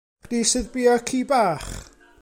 Chdi sydd bia'r ci bach?